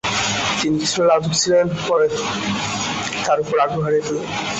তিনি কিছুটা লাজুক ছিলেন, পরে তার উপর আগ্রহ হারিয়ে ফেলেন।